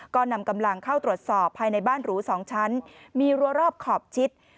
ก็นำกำลังเข้าตรวจสอบภายในบ้านหรู๒ชั้นมีรัวรอบขอบชิด